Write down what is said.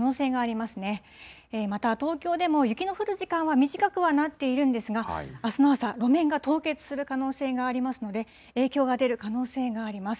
また東京でも雪の降る時間は短くはなっているんですが、あすの朝、路面が凍結する可能性がありますので、影響が出る可能性があります。